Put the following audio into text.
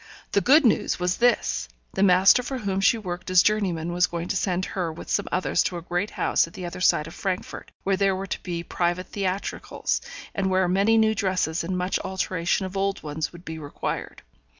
The good news was this; the master for whom she worked as journeyman was going to send her with some others to a great house at the other side of Frankfort, where there were to be private theatricals, and where many new dresses and much alteration of old ones would be required.